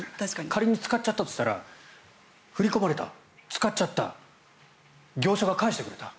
仮に使っちゃったとしたら振り込まれた、使っちゃった業者が返してくれた。